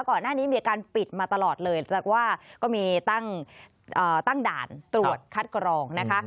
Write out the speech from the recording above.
ก่อนหน้านี้มีการปิดมาตลอดเลยจากว่าก็มีตั้งด่านตรวจคัดกรองนะคะ